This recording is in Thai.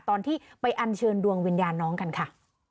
ตอนที่ไปอัญเชิญดวงวิญญาณน้องกันค่ะ